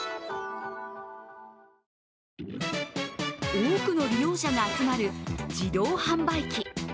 多くの利用者が集まる自動販売機。